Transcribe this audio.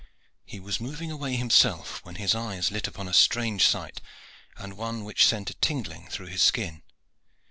He was moving away himself, when his eyes lit upon a strange sight, and one which sent a tingling through his skin.